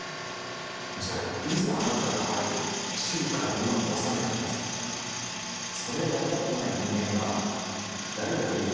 じゃあいざあなたがはい中華を今からおさめてくださいっつったらそれをやったことない人間が誰々はいいよ